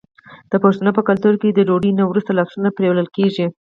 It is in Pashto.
د پښتنو په کلتور کې د ډوډۍ نه وروسته لاسونه مینځل کیږي.